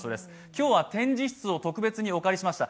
今日は展示室を特別にお借りしました。